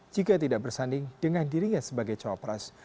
jika tidak bersanding dengan dirinya sebagai cowok pres